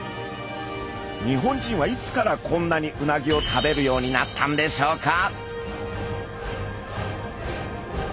日本人はいつからこんなにうなぎを食べるようになったんでしょうか？